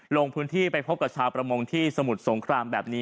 ลงพื้นที่ไปพบกับชาวประมงที่สมุทรสงครามแบบนี้